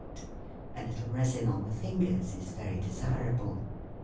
it : a little resin on the fingers is very desirable.